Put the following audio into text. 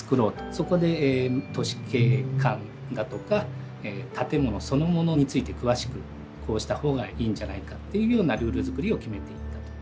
そこで都市景観だとか建物そのものについて詳しくこうしたほうがいいんじゃないかっていうようなルール作りを決めていったと。